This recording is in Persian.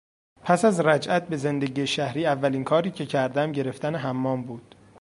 پس از رجعت به زندگی شهری اولین کاری که کردم گرفتن حمام بود.